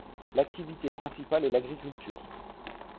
L'activité principale est l'agriculture.